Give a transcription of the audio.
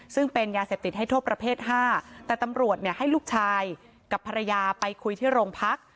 ซึ่งเป็นยาเสพติดให้โทษประเภท๕แต่ตำรวจเนี่ยให้ลูกชายกับภรรยาไปคุยที่โรงพัก